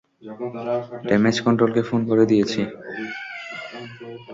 Damage কন্ট্রোলকে phone করে দিয়েছি।